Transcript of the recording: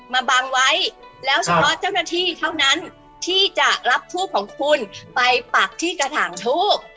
มาบังไว้แล้วเฉพาะเจ้าหน้าที่เท่านั้นที่จะรับทูบของคุณไปปักที่กระถางทูบ